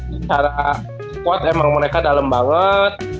secara squad emang mereka dalam banget